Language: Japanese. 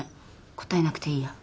答えなくていいや。